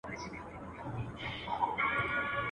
o مړ مي که، خو پړ مي مه که.